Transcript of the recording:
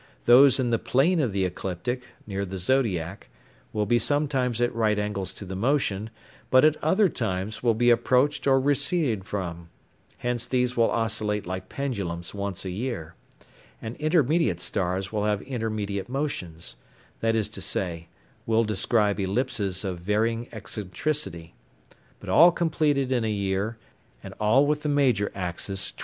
Those in the plane of the ecliptic (near the zodiac) will be sometimes at right angles to the motion, but at other times will be approached or receded from; hence these will oscillate like pendulums once a year; and intermediate stars will have intermediate motions that is to say, will describe ellipses of varying excentricity, but all completed in a year, and all with the major axis 20".